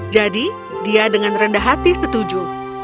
jadi dia dengan rendah hati setuju